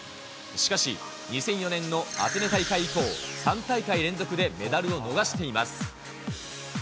しかし、２００４年のアテネ大会以降、３大会連続でメダルを逃しています。